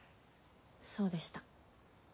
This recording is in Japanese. そうでした。